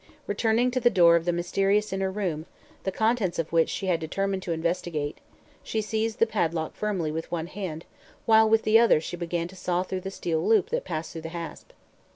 Returning to the door of the mysterious inner room, the contents of which she had determined to investigate, she seized the padlock firmly with one hand while with the other she began to saw through the steel loop that passed through the hasp.